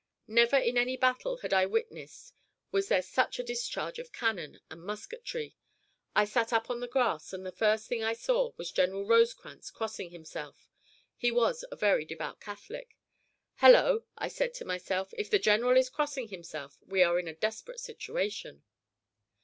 Never in any battle I had witnessed was there such a discharge of cannon and musketry. I sat up on the grass, and the first thing I saw was General Rosecrans crossing himself he was a very devout Catholic. "Hello!" I said to myself, "if the general is crossing himself, we are in a desperate situation."